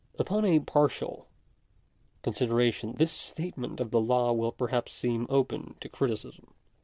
§4. Upon a partial consideration this statement of the law will perhaps seem open to criticism.